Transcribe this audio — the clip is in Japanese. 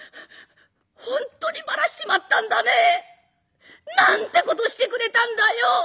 本当にばらしちまったんだね。なんてことをしてくれたんだよ！